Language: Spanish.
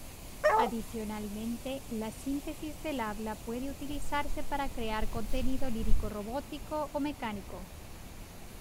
Adicionalmente, la síntesis de habla puede utilizarse para crear contenido lírico robótico o mecánico.